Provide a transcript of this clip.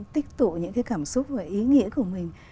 tích tụ những cái cảm xúc và ý nghĩa của mình